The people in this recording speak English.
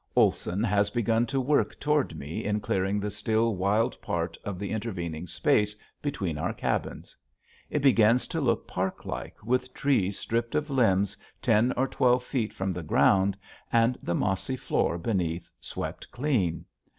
Olson has begun to work toward me in clearing the still wild part of the intervening space between our cabins. It begins to look parklike with trees stripped of limbs ten or twelve feet from the ground and the mossy floor beneath swept clean.